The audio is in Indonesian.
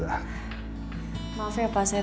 wah kamu akhirnya datang juga